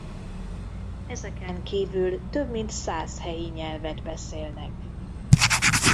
Ezeken kívül több mint száz helyi nyelvet beszélnek.